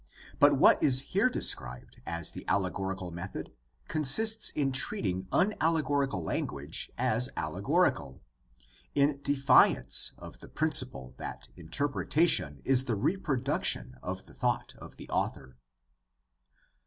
But what is here described as the allegorical method consists in treating unallegorical language as allegorical, in defiance of the prin ciple that interpretation is the reproduction of the thought of the author.